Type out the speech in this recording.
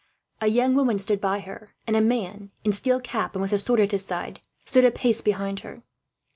A young woman stood by her; and a man, in steel cap and with a sword at his side, stood a pace behind her.